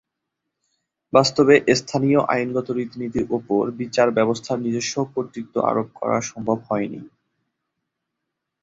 বাস্তবে স্থানীয় আইনগত রীতিনীতির ওপর বিচারব্যবস্থার নিজস্ব কর্তৃত্ব আরোপ করা সম্ভব হয় নি।